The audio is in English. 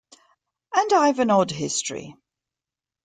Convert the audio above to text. And I’ve an odd history.